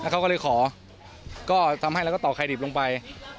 เขาก็เลยขอก็ทำให้เราก็ต่อไข่ดิบลงไป